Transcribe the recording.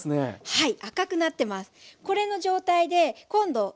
はい。